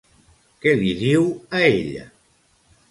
Què li diu a ella?